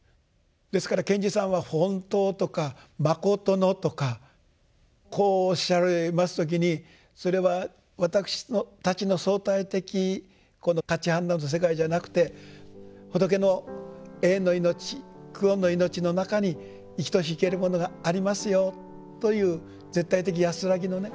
ですから賢治さんは「ほんたう」とか「まことの」とかこうおっしゃられます時にそれは私たちの相対的この価値判断の世界じゃなくて仏の永遠の命久遠の命の中に生きとし生けるものがありますよという絶対的安らぎのね